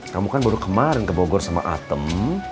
kamu kan baru kemarin ke bogor sama atem